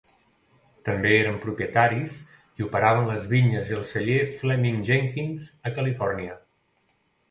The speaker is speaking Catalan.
També eren propietaris i operaven les vinyes i el celler Fleming Jenkins a Califòrnia.